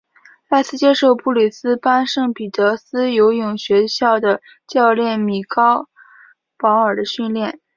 赖斯接受布里斯班圣彼得斯游泳学校的教练米高保尔的训练。